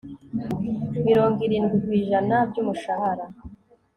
mirongo irindwi ku ijana by umushahara